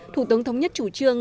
thủ tướng thống nhất chủ trương